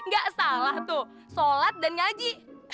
gak salah tuh sholat dan nyaji